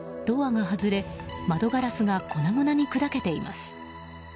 ドアが外れ窓ガラスが粉々に砕けています。